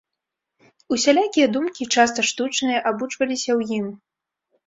Усялякія думкі, часта штучныя, абуджваліся ў ім.